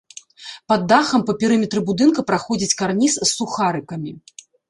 Пад дахам па перыметры будынка праходзіць карніз з сухарыкамі.